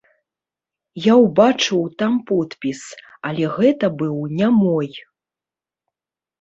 Я ўбачыў там подпіс, але гэта быў не мой.